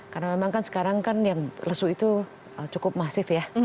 karena memang kan sekarang kan yang lesu itu cukup masif ya